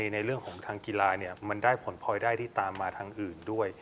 ในเรื่องของทางกีฬามันได้ผลพลอยได้ที่ตามมาทางอื่นด้วย